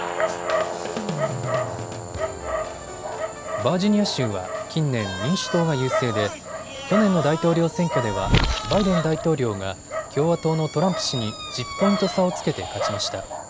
バージニア州は近年、民主党が優勢で去年の大統領選挙ではバイデン大統領が共和党のトランプ氏に１０ポイント差をつけて勝ちました。